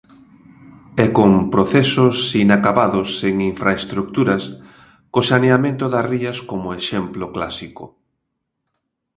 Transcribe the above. E con procesos inacabados en infraestruturas, co saneamento das rías como exemplo clásico.